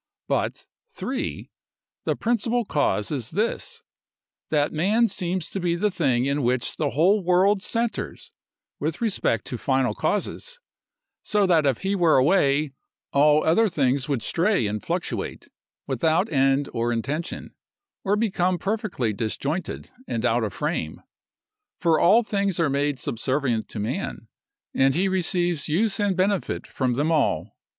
But, 3. The principal cause is this: that man seems to be the thing in which the whole world centres, with respect to final causes; so that if he were away, all other things would stray and fluctuate, without end or intention, or become perfectly disjointed, and out of frame; for all things are made subservient to man, and he receives use and benefit from them all.